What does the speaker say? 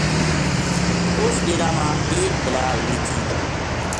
اُس ڈیرا ما ایک بلا ہِلی تھی